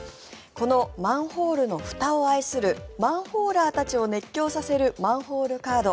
このマンホールのふたを愛するマンホーラーたちを熱狂させるマンホールカード。